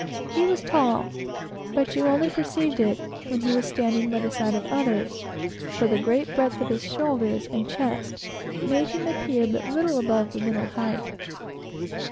He was tall; but you only perceived it when he was standing by the side of others, for the great breadth of his shoulders and chest made him appear but little above the middle height.